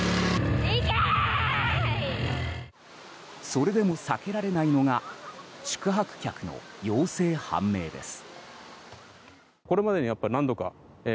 それでも避けられないのが宿泊客の陽性判明です。